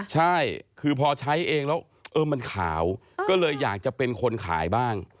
ใช่คือพอใช้เองแล้วเออมันขาวก็เลยอยากจะเป็นคนขายบ้าง